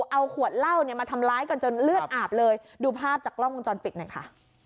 เอาขวดเหล้าเนี่ยมาทำร้ายกันจนเลือดอาบเลยดูภาพจากกล้องวงจรปิดหน่อยค่ะ